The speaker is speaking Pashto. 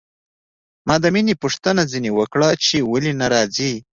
ما د مينې پوښتنه ځنې وکړه چې ولې نه راځي.